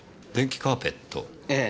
ええ。